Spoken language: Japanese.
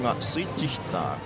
スイッチヒッター。